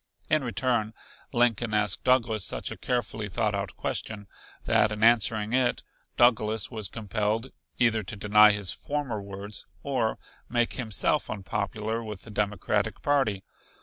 In return Lincoln asked Douglas such a carefully thought out question that in answering it Douglas was compelled either to deny his former words or make himself unpopular with the Democratic party.